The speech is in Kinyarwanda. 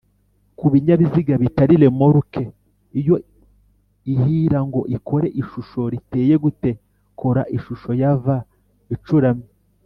kubinyabiziga bitari remoruke iyo ihirango ikore ishusho riteye gute?kora ishusho ya V icuramye